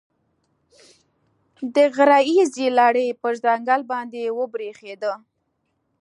د غره ییزې لړۍ پر ځنګل باندې وبرېښېده.